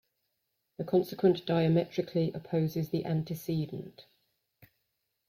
The consequent diametrically opposes the antecedent.